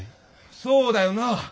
そうだよな？